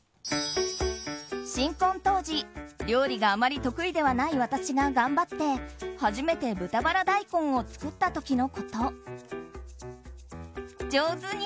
新婚当時、料理があまり得意でない私が頑張って初めて豚バラ大根を作った時のこと。